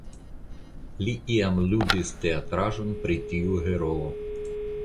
Li iam ludis teatraĵon pri tiu heroo.